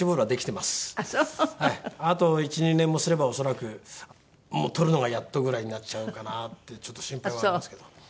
あと１２年もすれば恐らくもう捕るのがやっとぐらいになっちゃうかなってちょっと心配はありますけど。